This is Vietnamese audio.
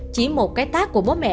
chỉ một cái tác của bố mẹ